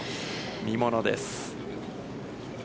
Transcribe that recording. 見ものです。